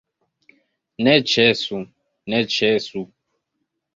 Ne ĉesu, ne ĉesu!